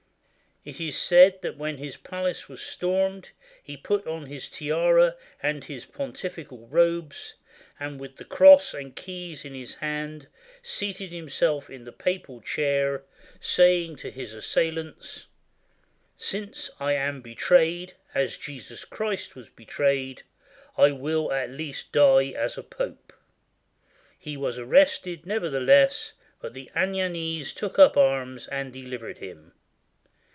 It is said that when his palace was stormed he put on his tiara and his pontifical robes, and with cross and keys in his hand seated himself in the papal chair, saying to his assailants, "Since I am betrayed, as Jesus Christ was betrayed, 1 will at least die as a pope." He was arrested nevertheless, but the Anagnese took up arms and delivered him.